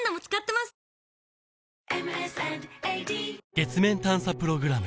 月面探査プログラム